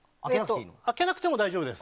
空けなくても大丈夫です。